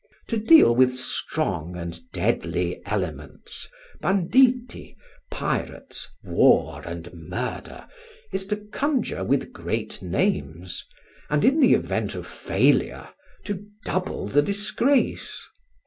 To deal with strong and deadly elements, banditti, pirates, war and murder, is to conjure with great names, and, in the event of failure, to double the disgrace.